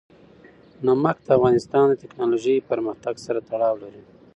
نمک د افغانستان د تکنالوژۍ پرمختګ سره تړاو لري.